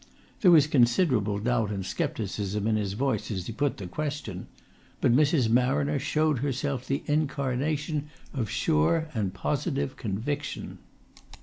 There was considerable doubt and scepticism in his voice as he put the question; but Mrs. Marriner showed herself the incarnation of sure and positive conviction.